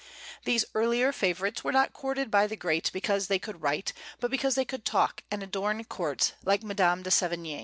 These earlier favorites were not courted by the great because they could write, but because they could talk, and adorn courts, like Madame de Sévigné.